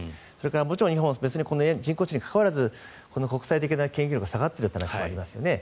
もちろん日本は人工知能に関わらず国際的な研究力が下がっている話もありますよね。